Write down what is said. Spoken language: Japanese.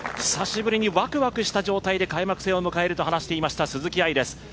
久しぶりにわくわくした状態で開幕戦を迎えると話しました鈴木愛です。